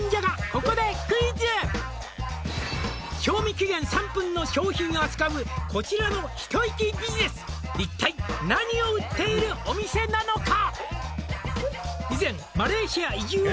ここでクイズ」「賞味期限３分の商品を扱うこちらのひと息ビジネス」「一体何を売っているお店なのか」